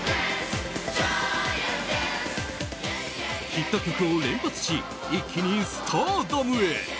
ヒット曲を連発し一気にスターダムへ。